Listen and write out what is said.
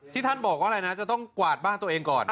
ท่านบอกว่าอะไรนะจะต้องกวาดบ้านตัวเองก่อน